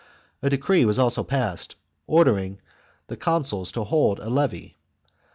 A de cree was also passed, ordering the consuls to hold a levy.